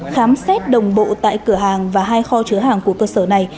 khám xét đồng bộ tại cửa hàng và hai kho chứa hàng của cơ sở này